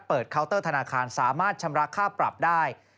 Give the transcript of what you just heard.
เคาน์เตอร์ธนาคารสามารถชำระค่าปรับได้